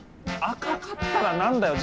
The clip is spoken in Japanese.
赤かったら何だよ。